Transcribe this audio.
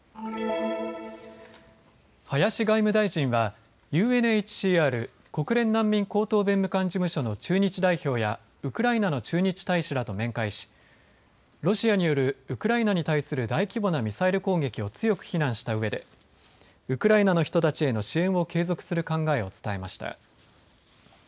林外務大臣はＵＮＨＣＲ・国連難民高等弁務官事務所の駐日代表やウクライナの駐日大使らと面会しロシアによるウクライナに対する大規模なミサイル攻撃を強く非難したうえでウクライナの人たちへの支援を継続する考えを伝えました。